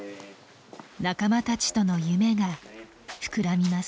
仲間たちとの夢が膨らみます。